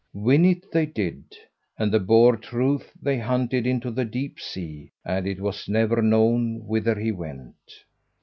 Win it they did, and the Boar Truith they hunted into the deep sea, and it was never known whither he went.